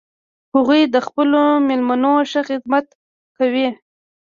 هغوی د خپلو میلمنو ښه خدمت کوي